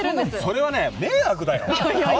それは迷惑だよ。